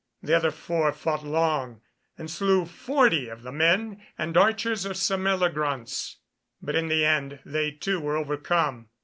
The other four fought long, and slew forty of the men and archers of Sir Meliagraunce; but in the end they too were overcome.